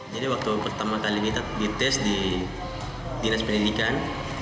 jadi waktu pertama kali kita dites di dinas pendidikan